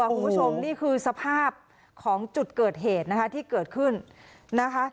คุณผู้ชมนี่คือสภาพของจุดเกิดเหตุนะคะที่เกิดขึ้นนะคะ